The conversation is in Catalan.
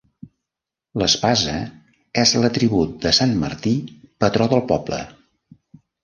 L'espasa és l'atribut de sant Martí, patró del poble.